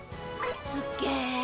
すっげえ。